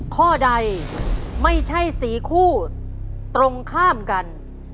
ข้อใดไม่ใช่๔คู่ตรงข้ามกัน